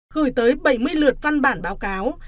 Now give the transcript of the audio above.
gửi tới bảy mươi lượt văn bản báo cáo